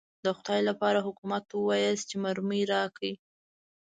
د خدای لپاره حکومت ته ووایاست چې مرمۍ راکړي.